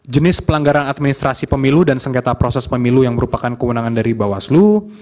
jenis pelanggaran administrasi pemilu dan sengketa proses pemilu yang merupakan kewenangan dari bawaslu